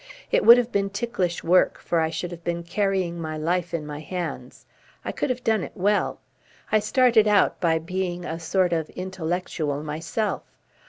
It would have been ticklish work, for I should have been carrying my life in my hands. I could have done it well. I started out by being a sort of 'intellectual' myself.